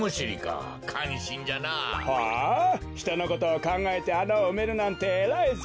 ひとのことをかんがえてあなをうめるなんてえらいぞ。